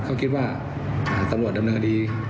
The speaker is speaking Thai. เขาคิดว่าอ่าตำรวจดำเนื้อดี